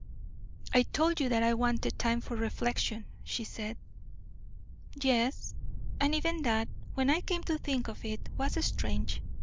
"I told you that I wanted time for reflection," she said. "Yes: and even that, when I came to think of it, was strange.